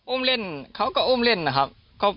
เล่นเขาก็อุ้มเล่นนะครับ